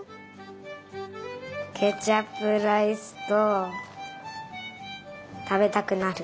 ケチャップライスとたべたくなる。